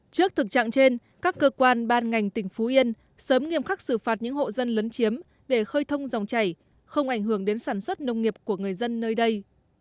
trước thực trạng trên các cơ quan ban ngành tỉnh phú yên sớm nghiêm khắc xử phạt những hộ dân lấn chiếm để khơi thông dòng chảy không ảnh hưởng đến sản xuất nông nghiệp của người dân nơi đây